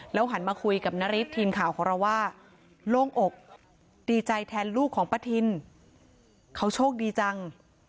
หันมาคุยกับนาริสทีมข่าวของเราว่าโล่งอกดีใจแทนลูกของป้าทินเขาโชคดีจัง